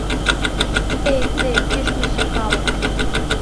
— Эй, те, кӱшнысӧ калык!